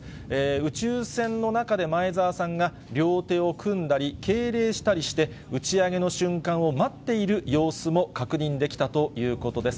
宇宙船の中で、前澤さんが両手を組んだり敬礼したりして、打ち上げの瞬間を待っている様子も確認できたということです。